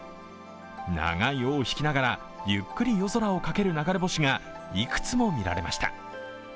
長い尾を引きながら、ゆっくり夜空をかける流れ星がいくつも見られました。